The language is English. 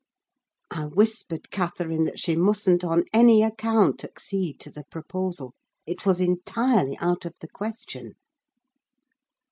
I whispered Catherine that she mustn't, on any account, accede to the proposal: it was entirely out of the question.